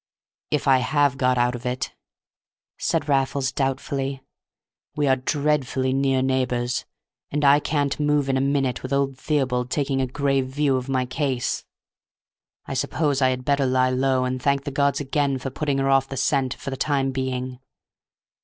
"If I have got out of it," said Raffles, doubtfully. "We are dreadfully near neighbors, and I can't move in a minute, with old Theobald taking a grave view of my case. I suppose I had better lie low, and thank the gods again for putting her off the scent for the time being."